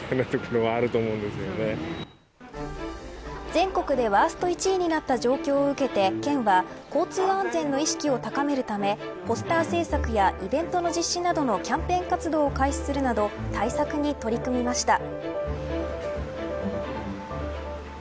全国でワースト１位になった状況を受けて県は交通安全の意識を高めるためポスター制作やイベントの実施などのキャンペーン活動を開始するなど対策に取り組みました。